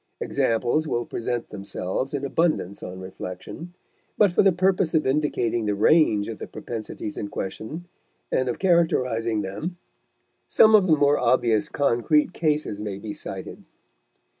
Examples will present themselves in abundance on reflection, but for the purpose of indicating the range of the propensities in question and of characterizing them, some of the more obvious concrete cases may be cited.